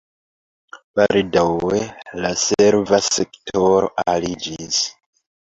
Baldaŭe la serva sektoro aliĝis.